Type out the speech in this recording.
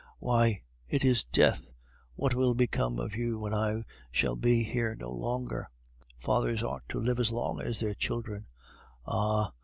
Why, it is death!... What will become of you when I shall be here no longer? Fathers ought to live as long as their children. Ah!